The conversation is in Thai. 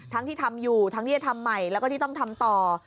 ที่ทำอยู่ทั้งที่จะทำใหม่แล้วก็ที่ต้องทำต่อ